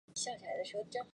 郑芳田。